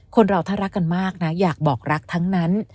คนเราถ้ารักกันมากนะอยากบอกรักทั้งนั้น